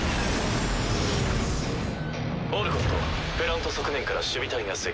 オルコットプラント側面から守備隊が接近。